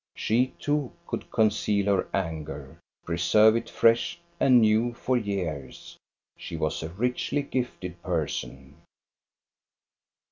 She too could con ceal her anger — preserve it fresh and new for years. She was a richly gifted person.